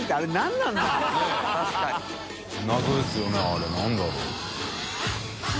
あれ何だろう？